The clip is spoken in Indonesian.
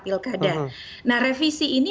pilkada nah revisi ini